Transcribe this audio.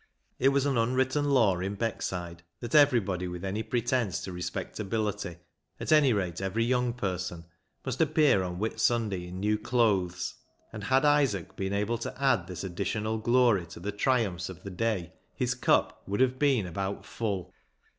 It was an unwritten law in Beckside that every body with any pretence to respectability — at any rate every young person — must appear on Whit Sunday in new clothes, and had Isaac been able to add this additional glory to the triumphs of the day, his cup would have been about full.